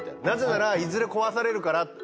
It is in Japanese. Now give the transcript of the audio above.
なぜならいずれ壊されるから。